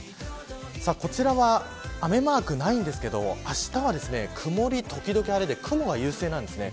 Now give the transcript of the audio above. こちらは雨マークないんですけどあしたは曇り時々晴れで雲が優勢なんですね。